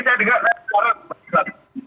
janaskan suaranya naval